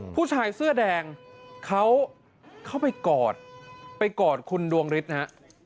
ผู้ชายเสื้อแดงเขาเข้าไปกอดไปกอดคุณดวงฤทธิ์นะฮะ